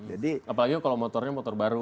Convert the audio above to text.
apalagi kalau motornya motor baru